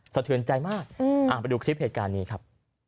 สะเทือนใจมากไปดูคลิปเหตุการณ์นี้ครับ